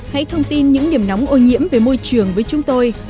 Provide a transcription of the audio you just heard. hãy thông tin những điểm nóng ô nhiễm về môi trường với chúng tôi